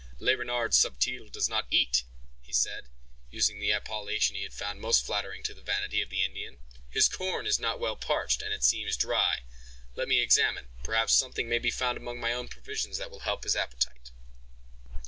"Le Renard Subtil does not eat," he said, using the appellation he had found most flattering to the vanity of the Indian. "His corn is not well parched, and it seems dry. Let me examine; perhaps something may be found among my own provisions that will help his appetite."